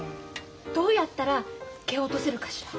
どうやったら蹴落とせるかしら？